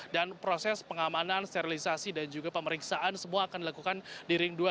dan proses pengamanan sterilisasi dan juga pemeriksaan semua akan dilakukan di ring dua